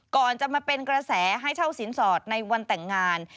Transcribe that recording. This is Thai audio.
ก่อนจะมาเป็นกระแสให้เช่าสินสอดในวันแต่งงาน